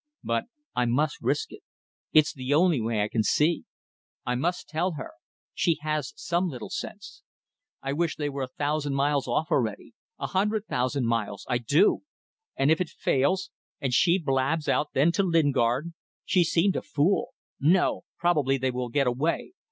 But I must risk it. It's the only way I can see. I must tell her. She has some little sense. I wish they were a thousand miles off already. A hundred thousand miles. I do. And if it fails. And she blabs out then to Lingard? She seemed a fool. No; probably they will get away.